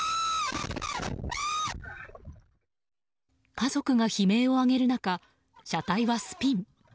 家族が悲鳴を上げる中車体はスピン。